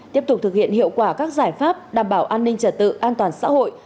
tiếp tục thực hiện hiệu quả các giải pháp đảm bảo an ninh trật tự an toàn xã hội